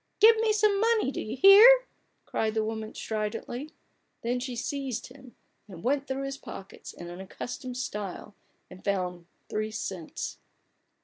"Give me some money: do you hear!" cried the woman, stridently. Then she seized him, and went through his pockets in an accustomed style, and found three cents.